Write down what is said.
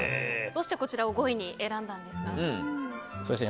どうしてこちらを５位に選んだんですか？